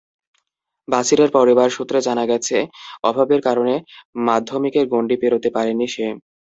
বাছিরের পরিবার সূত্রে জানা গেছে, অভাবের কারণে মাধ্যমিকের গণ্ডি পেরোতে পারেনি সে।